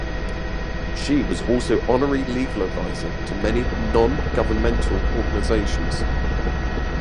She was also honorary legal adviser to many non-governmental organisations.